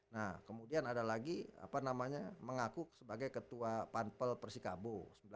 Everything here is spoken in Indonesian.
nah kemudian ada lagi apa namanya mengaku sebagai ketua pampel persikabo seribu sembilan ratus lima puluh tiga